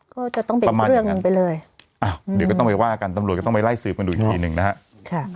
ก็จะต้องแบ่งเรื่องหนึ่งไปเลยอ้าวเดี๋ยวก็ต้องไปว่ากันตำรวจก็ต้องไปไล่สืบกันดูอีกทีหนึ่งนะฮะค่ะ